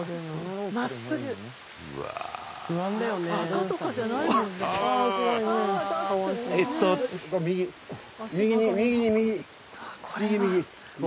坂とかじゃないもんね。